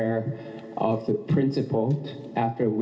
คุณทศก่อนครับ